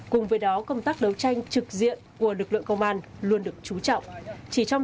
cùng với đó công tác đấu tranh trực diện của lực lượng công an luôn được trú trọng chỉ trong